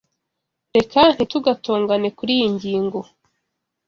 Reka ntitugatongane kuriyi ngingo.